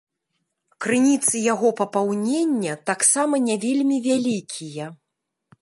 Крыніцы яго папаўнення таксама не вельмі вялікія.